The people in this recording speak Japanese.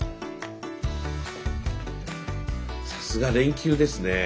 さすが連休ですねえ。